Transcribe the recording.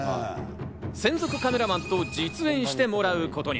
専属カメラマンと実演してもらうことに。